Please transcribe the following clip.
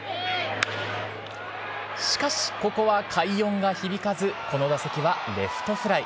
しかしここは快音が響かず、この打席はレフトフライ。